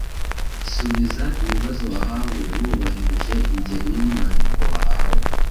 Subiza ibibazo wahawe wubahirije ingeri y’umwandiko wahawe,